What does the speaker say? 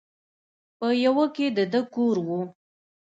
په يوه کښې د ده کور و.